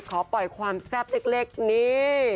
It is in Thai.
ขอปล่อยความแซ่บเล็กนี่